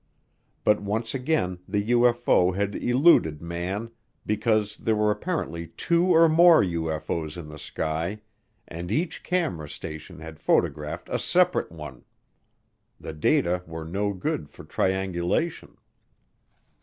But once again the UFO had eluded man because there were apparently two or more UFO's in the sky and each camera station had photographed a separate one. The data were no good for triangulation.